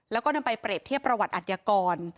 แล้วก็นำไปเปรียบเทียบประวัติอัธยากร